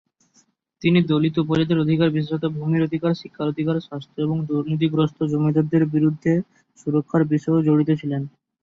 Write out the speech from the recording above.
তিনি দলিত ও উপজাতির অধিকার বিশেষত ভূমির অধিকার, শিক্ষার অধিকার, স্বাস্থ্য এবং দুর্নীতিগ্রস্ত জমিদারদের বিরুদ্ধে সুরক্ষার বিষয়েও জড়িত ছিলেন।